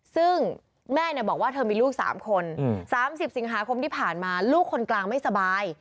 ซึ่งแม่บอกว่าเธอมีลูก๓คน๓๐สิงหาคมที่ผ่านมาลูกคนกลางไม่สบาย